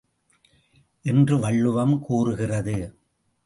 என்று வள்ளுவம் கூறுகிறது!